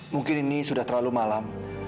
mungkin ini sudah terlalu malam